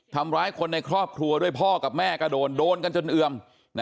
ทำร้ายคนในครอบครัวด้วยพ่อกับแม่ก็โดนโดนกันจนเอือม